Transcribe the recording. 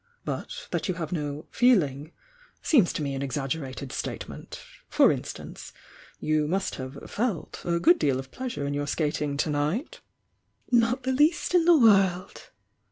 But that you have no 'feeling' seems to me an exaggerated statement, — for instance, you must have 'felt' a good deal of pleasure in your skating to night?" "Not the least in the world!"